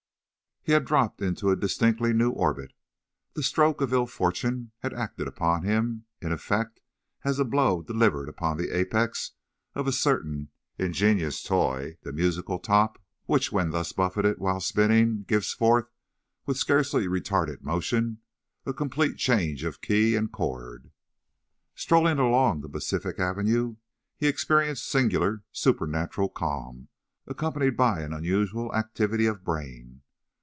He had dropped into a distinctly new orbit. The stroke of ill fortune had acted upon him, in effect, as a blow delivered upon the apex of a certain ingenious toy, the musical top, which, when thus buffeted while spinning, gives forth, with scarcely retarded motion, a complete change of key and chord. Strolling along the pacific avenue, he experienced singular, supernatural calm, accompanied by an unusual a activity of brain.